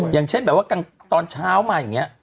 อย่างเช่นแบบว่าตอนเช้ามาอย่างนี้